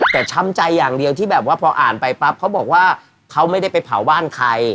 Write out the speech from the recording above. แต่ช้ำใจอย่างเดียวที่แบบว่าพออ่านไปปั๊บเขาบอกว่าเขาไม่ได้ไปเผาบ้านใคร